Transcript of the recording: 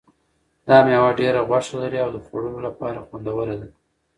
دا مېوه ډېره غوښه لري او د خوړلو لپاره خوندوره ده.